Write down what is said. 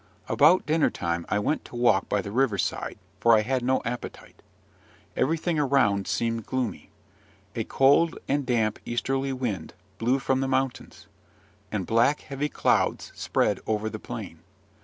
About dinner time I went to walk by the river side, for I had no appetite. Everything around seemed gloomy: a cold and damp easterly wind blew from the mountains, and black, heavy clouds spread over the plain.